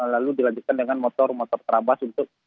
lalu dilanjutkan dengan motor motor terabas untuk